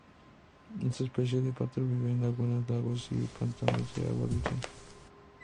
Esta especie de pato vive en lagunas, lagos y pantanos de agua dulce.